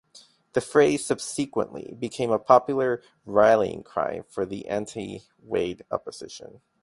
The phrase subsequently became a popular rallying cry for the anti-Wade opposition.